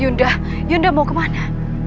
yunda yunda mau kemana